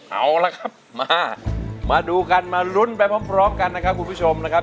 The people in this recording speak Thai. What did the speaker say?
เอาละครับมามาดูกันมาลุ้นไปพร้อมกันนะครับคุณผู้ชมนะครับ